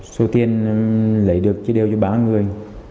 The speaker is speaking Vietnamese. số tiền lấy được chỉ đều cho ba người